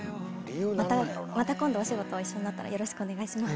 また今度お仕事一緒になったらよろしくお願いします。